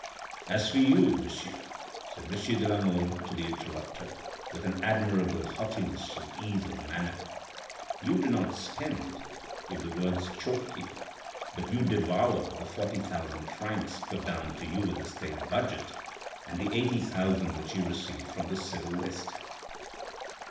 "As for you, monsieur," said M. de !a Mole to the interrupter, with an admirable haughtiness and ease of mnnner, " you do not spend, if the words chokes you, but you devour the forty thousand francs put down to you in the State budget, and the eighty thousand which you receive from the civil list."